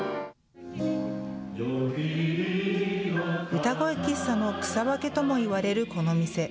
歌声喫茶の草分けとも言われるこの店。